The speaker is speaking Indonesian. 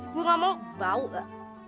gue enggak mau bau enggak